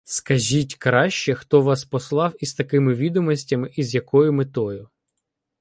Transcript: Скажіть краще, хто вас послав із такими відомостями і з якою метою?